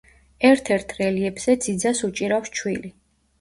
ერთ-ერთ რელიეფზე ძიძას უჭირავს ჩვილი.